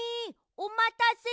おまたせ。